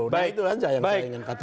nah itu saja yang saya ingin katakan